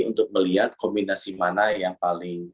untuk melihat kombinasi mana yang paling